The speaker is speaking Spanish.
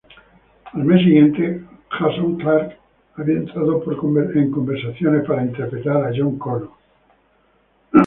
Al mes siguiente, Jason Clarke había entrado en conversaciones para interpretar a John Connor.